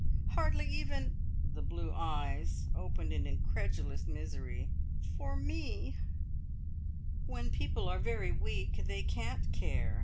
Hardly even" the blue eyes opened in incredulous misery "for me!" "When people are very weak, they can't care.